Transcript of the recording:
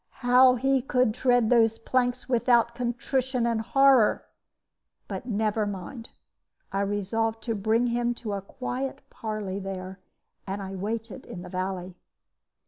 How he could tread those planks without contrition and horror but never mind. I resolved to bring him to a quiet parley there, and I waited in the valley.